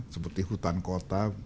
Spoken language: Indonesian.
seperti hutan kota